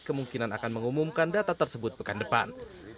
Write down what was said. kemungkinan akan mengumumkan data tersebut pekan depan